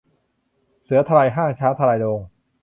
เสือทลายห้าง ช้างทลายโรง